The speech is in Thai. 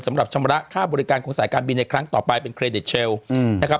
สำหรับชำระค่าบริการของสายการบินในครั้งต่อไปเป็นเครดิตเชลล์นะครับ